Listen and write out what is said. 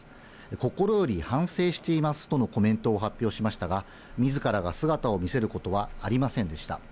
心より反省していますとのコメントを発表しましたが、みずからが姿を見せることはありませんでした。